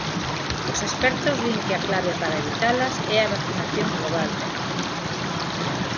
Os expertos din que a clave para evitalas é a vacinación global.